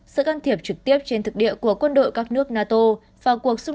sự can thiệp trực tiếp trên thực địa của quân đội các nước nato vào cuộc xung